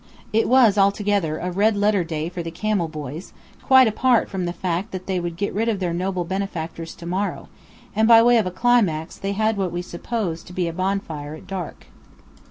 It was altogether a red letter day for the camel boys, quite apart from the fact that they would get rid of their noble benefactors to morrow; and by way of a climax they had what we supposed to be a bonfire at dark.